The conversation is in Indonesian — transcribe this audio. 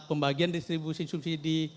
pembagian distribusi subsidi